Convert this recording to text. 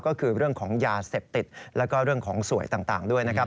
ก็คือเรื่องของยาเสพติดแล้วก็เรื่องของสวยต่างด้วยนะครับ